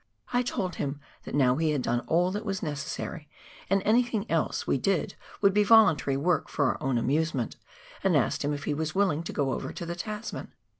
I told him that now we had done all that was necessary, and anything else we did would be voluntary work for our own amusement, and asked him if he was willing to go over to the Tasman.